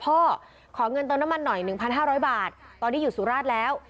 ขอเงินเติมน้ำมันหน่อย๑๕๐๐บาทตอนนี้อยู่สุราชแล้ว